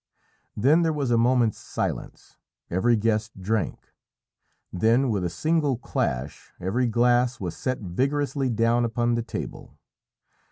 Then there was a moment's silence. Every guest drank. Then, with a single clash, every glass was set vigorously down upon the table.